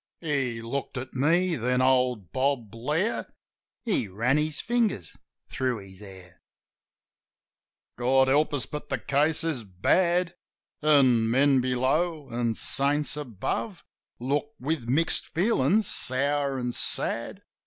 He looked at me, then old Bob Blair He ran his fingers through his hair. 50 JIM OF THE HILLS "God help us, but the case is bad! An' men below, an' saints above Look with mixed feelin's, sour an' sad.